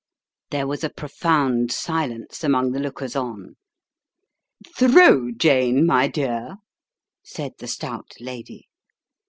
There was a profound silence among the lookers on. " Throw, Jane, my dear," said the stout lady.